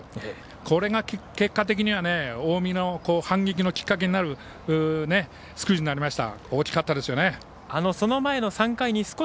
これが結果的には近江の反撃のきっかけになるスクイズになりました。